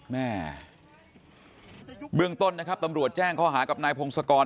แม่เบื้องต้นนะครับตำรวจแจ้งข้อหากับนายพงศกร